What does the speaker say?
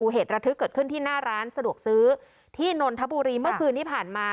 เหตุระทึกเกิดขึ้นที่หน้าร้านสะดวกซื้อที่นนทบุรีเมื่อคืนที่ผ่านมา